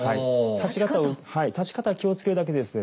立ち方気をつけるだけでですね